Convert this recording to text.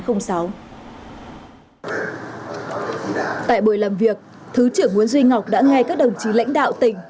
tại buổi làm việc thứ trưởng nguyễn duy ngọc đã nghe các đồng chí lãnh đạo tỉnh